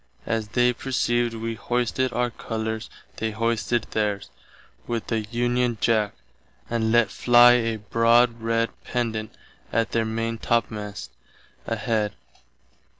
As they perceived wee hoisted our colours they hoisted theirs, with the Union Jack, and let fly a broad red Pendant at their maintopmast head.